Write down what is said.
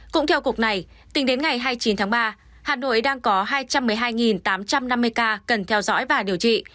cũng theo cục này tính đến ngày hai mươi chín tháng ba hà nội đang có hai trăm một mươi hai tám trăm năm mươi ca cần theo dõi và điều trị